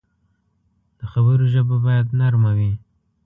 د خبرو ژبه باید نرم وي